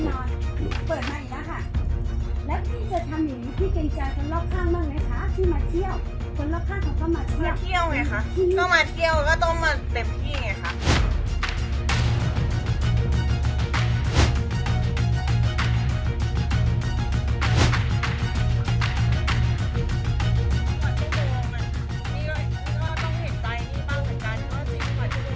เปิดมาอีกแล้วค่ะ